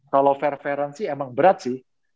kalo fair fairan sih emang berat sih